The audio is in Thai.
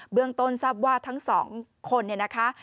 เรื่องต้นทราบว่าทั้งสองคนเนี่ยนะคะ